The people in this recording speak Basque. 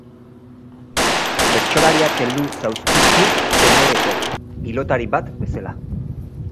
Bertsolariak heldu zauzkitzu tenoreko, pilotari bat bezala.